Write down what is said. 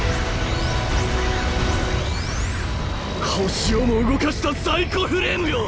星をも動かしたサイコフレームよ！